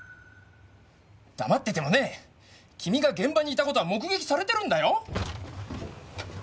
黙っててもね君が現場にいた事は目撃されてるんだよ？